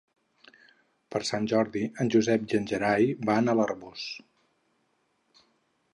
Per Sant Jordi en Josep i en Gerai van a l'Arboç.